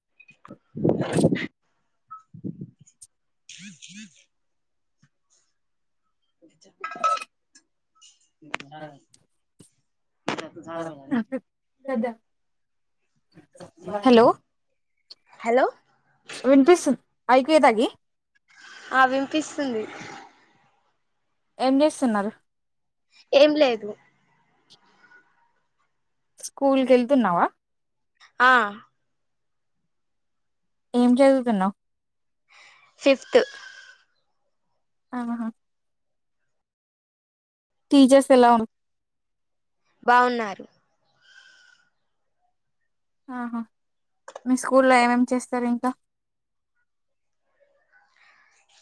వి చెప్ప సదా [inaudible] hello hello వినిపిస్తుంది [inaudible] కేదాగి ఆ వినిపిస్తుంది ఏం చేస్తున్నారు ఏం లేదులే స్కూల్ కెళ్తున్నావా ఆ ఏం చదువుతున్నావు ఫిఫ్త్ ఆహా టీచర్స్ ఎలా ఉన్ బావున్నారు ఆహా మీ స్కూల్లో ఏమేమి చేస్తారు ఇంకా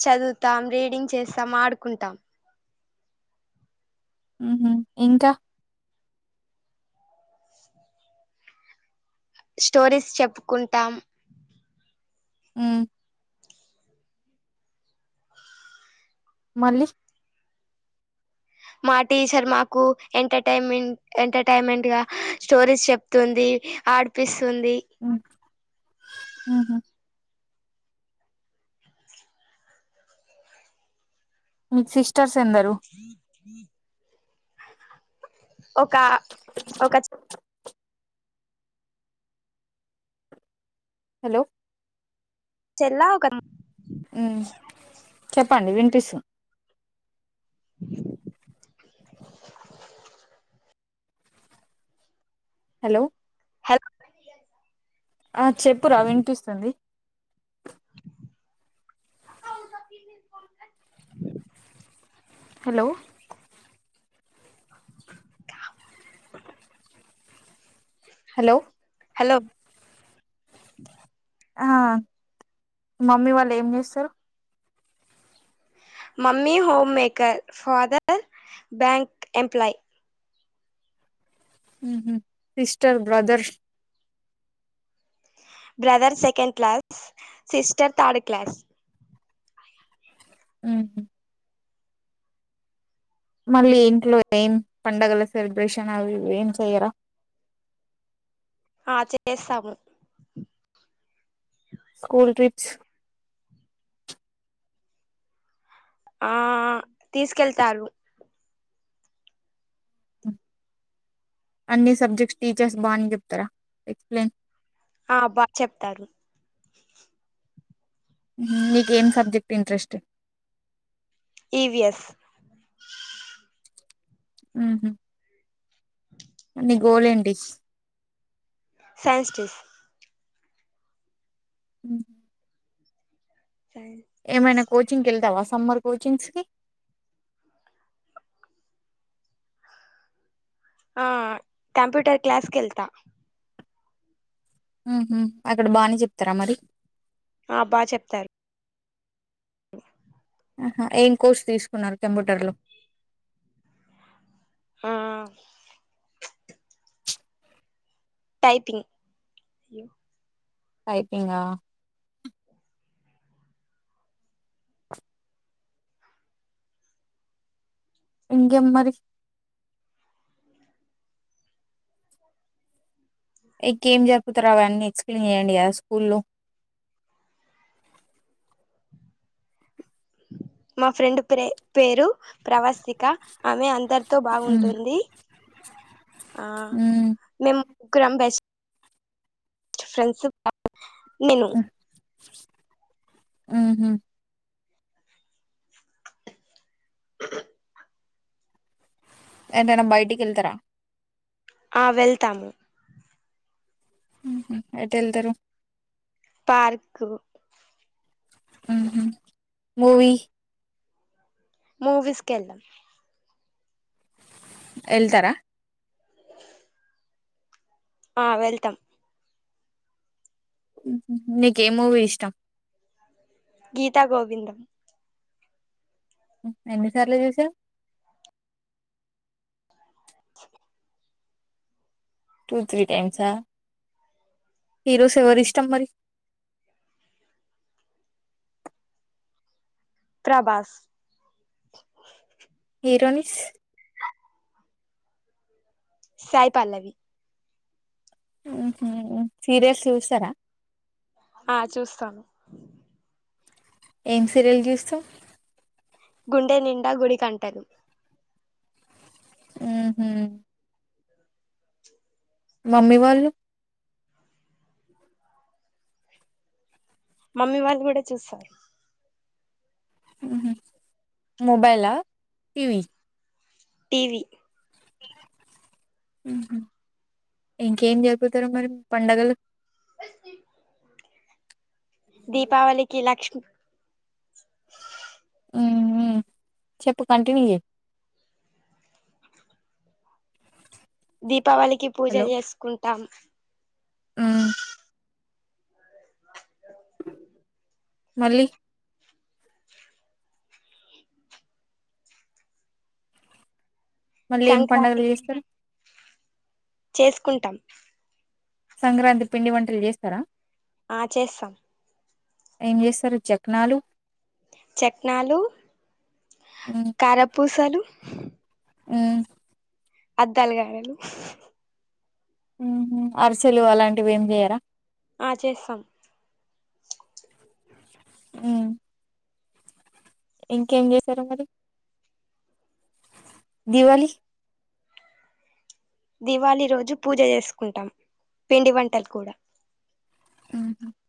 చదువుతాం రీడింగ్ చేస్తాం ఆడుకుంటాం మ్మ్ హు ఇంకా స్టోరీస్ చెప్పుకుంటాం మ్మ్ మళ్లీ మా టీచర్ మాకు ఎంటర్టైన్మెంట్ ఎంటర్టైన్మెంట్ గా స్టోరీస్ చెప్తుంది ఆడిపిస్ స్తుంది మ్మ్ హు మీ సిస్టర్స్ ఎందరు ఒక ఒక హలో చెల్లావు క మ్మ్ చెప్పండి వినిపిసున్ హలో హల్ ఆ చెప్పురా వినిపిస్తుంది హలో హలో హలో ఆ మమ్మీ వాళ్ళు ఏం చేస్తారు mummy homemaker father bank employee sister brother brother second class sister third class ఆహా మళ్ళీ ఇంట్లో ఏం పడుగల సెలబ్రేషన్ అవి ఇవి ఏం చెయ్యరా ఆ చేస్తాము స్కూల్ ట్రిప్స్ ఆ తీసుకెళ్తారు అన్ని సబ్జెక్ట్స్ టీచర్స్ బానే చెప్తారా ఎక్స్ప్లెయిన్ ఆ బా చెప్తారు మీకేం సబ్జెక్ట్ ఇంట్రెస్ట్ ఈవిఎస్ ఆహ అ నీ గోల్ ఏంటి సైన్స్ టీస్ ఏమైనా సైంటిస్ట్ కోచింగ్కి వెళ్తావాస్ సమ్మర్ కోచింగ్స్ కి ఆ కంప్యూటర్ క్లాస్కిళ్తా ఉహ అక్కడ బాగానే చెప్తారా మరి ఆ బాగా చెప్తారు అ ఆహా ఏం కోర్స్ తీసుకున్నారు కంప్యూటర్లో ఆ టైపింగ్ పైకింగ్ గా ఇంకే మరి ఇంకేం జరుపుతారు అవన్నీ ఎక్స్ప్లెయిన్ చేయ్యడి అ స్కూల్లో మా ఫ్రెండ్ పే పేరు ప్రవస్తి ఆమె అందరితో బాగుంటుంది మేము ముగ్గురం బెస్ట్ ఫ్రెండ్సిప్ నేను ఆహ ఏటన్న బయటికి ఏళ్తారా ఆ వెళ్తాము ఉహ ఎటెళ్తారు పార్క్ మూవి మూవీస్కెళ్లం వెళ్తారా ఆ వెళ్తాం నీక ఏ మూవీ ఇష్టం గీతా గోవిందం ఎన్ని సార్లు చుసావ్ చే టూ త్రీ టైమ్స్ ఆ హీరోస ఎవర్ ఇష్టటమ్ మరి త్రాబస్ ఈరోనిస్ సాయిపల్లవి సీరియల్స్ చూస్తారా ఆ చూస్తాను ఏం సీరియల్ చూస్తా గుండె నిండా గుడి కంటలు ఆ హ మమ్మీ వాళ్ మమ్మీ వాళ్ళు కూడా చూస్తారు మొబైలా టీవి టీవీ ఇంకేం జరుపుతారు మరి పండుగలు దీపావళికి లక్ష్మి [unintelligible] చెప్పు కంటిన్యూచేయ్ దిప్ పావళికి పూజ చేసుకుం టం హ్మ్ మళ్ళి మళ్ళీ ఏం పండుగలు సంక్రాంతికి చేస్తారు చేసుకుంటాం సంక్రాంతి పిండి వంటలు చేస్తారా ఆ చేస్తాం ఏం చేస్తారు చాక్నాలు చ క్నాలు కారపూసలు హ్మ్ అద్దాల గారెలు మ్ హె అరిసెలు అలాంటివి ఏం చెయరా ఆ చేస్తాం హ్మ్ ఇంకేం చేస్తారో మరి దివళి దివళి రోజు పూజ చేసుకుంటాం పిండి వంటలు కూడా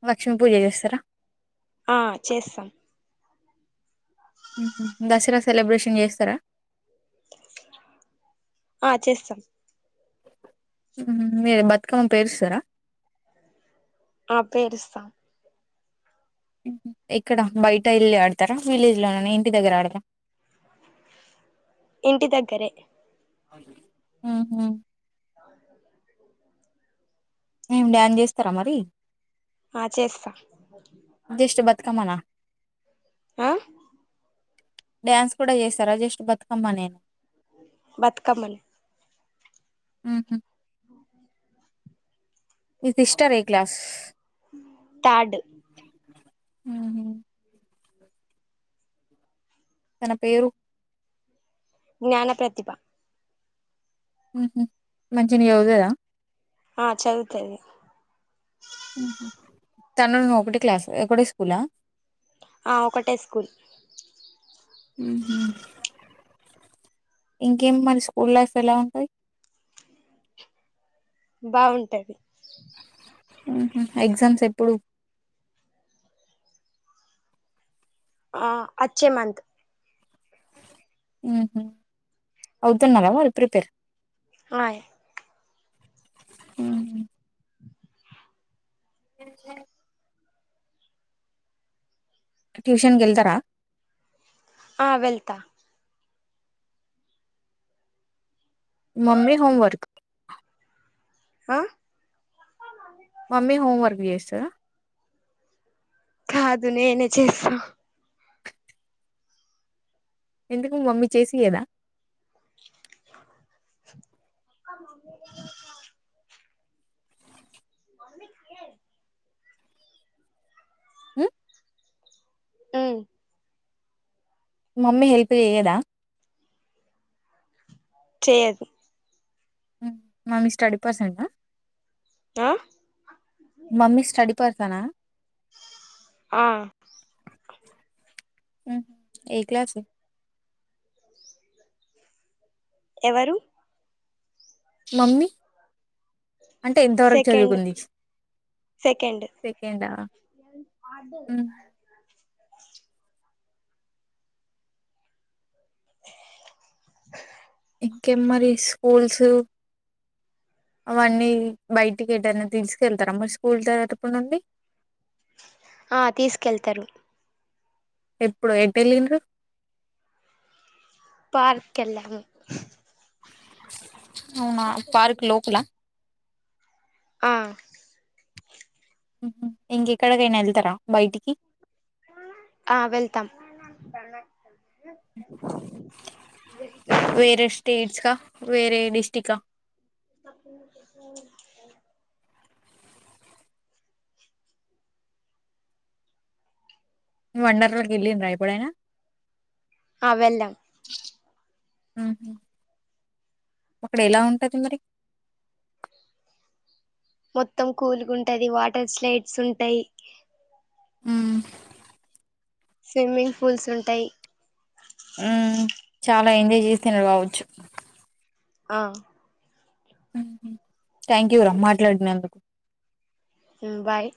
లక్ష్మీపూజ చేస్తారా ఆ చేస్తాం ఉహు దసరా సెలబ్రేషన్ చేస్తరా ఆ చేస్తం మీరు బతుకమ్మ పేరుస్తరా ఆ పేరుస్తాం ఎక్కడ బయట ఏళ్ళి ఆడతరా విలేజ్ లానే ఇంటిదగ్గర ఆడరా ఇంటి దగ్గరే హ్మ్ హు ఏం డాన్స్ జెస్తరా మరి ఆ చేస్తా జస్ట్ బతుకమ్మనా ఆ డ్యాన్స్ కూడా జేస్తారా జస్ట్ బతుకమ్మ నే బతుకమ్మనే హ్మ్ హు మీ సిస్టర్ ఏక్లాస్ థర్డ్ హ్మ్ తన పేరు జ్ఞాన ప్రతిభ ఉహు మంచిన జతుతధ ఆ చదుతది ఉహు తను ను ఒకటె క్లాస్ ఒకటె స్కూలా ఆ ఒకటే స్కూల్ ఉహు ఇంకేం మన స్కూల్ లైఫ్ ఎలా ఉంటది బాగుంటది ఉహు ఎగ్జామ్స్ ఎప్పుడు ఆ అచ్చే మంత్ ఉహు అవుతున్నారా వాళ్ళు ప్రిపేర్ ఆయి ఉహు ఇక ట్యూషన్ గెళ్తరా ఆ వెళ్తా మమ్మీ హోంవర్క్ ఆ మమ్మీ హోమ్వర్క్ చేస్తద కాదు నేనే చేస్తా ఎందుకు మమ్మీ చేసి ఇయ్యాదా అక్క మమ్మీ మన హ్మ్ హ్మ్ మమ్మీ హెల్ప్ జెయ్యదా చేయది మమ్మీ స్టడీ పర్సంట్ ఆ ఆ మమ్మీ స్టడీ పర్ సన ఆ ఏ క్లాస్ ఎవరు మమ్మీ అంటే ఎంతవరకు సెకండ్ చదువుకుంది సెకండ్ సెకండా ఇంకే మరి స్కూల్స్ అవన్నీ బయటికి వెట్టని తీసుకెళ్తారా మరి స్కూల్ తగటప్పుడు నుండి ఆ తీసుకెళ్తారు ఎప్పుడు ఎటు వెలిండ్రు పార్క్ కెళ్ళము ప్చ్ అవునా పార్క్ లోక్లా ఆ ఇంకెక్కడికైనా వెళ్తారా బయటికి ఆ వెళ్తాం వేరే స్టేట్స్ కా వేరే డిస్ట్రికా [inaudible] వండర్లకి వెళ్ళిండ్ర ఎప్పుడైనా ఆ వెళ్ళం ఆహ అక్కడ ఎలా ఉంటది మరి మొత్తం కూలిగా ఉంటది వాటర్ స్లైడ్స్ ఉంటాయి అ స్విమ్మింగ్ పూల్స్ ఉంటాయి ఆ చాలా ఎంజాయ్ చేసన్నారు రావచ్చు ఆ థ్యాంక్ యూ రామ్ మాట్లాడినందుకు ముబాయి